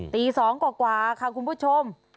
ตี๒กว่าค่ะคุณผู้ชม